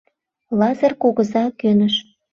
Лазыр кугыза кӧныш.